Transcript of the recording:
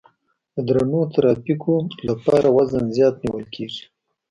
د درنو ترافیکو لپاره وزن زیات نیول کیږي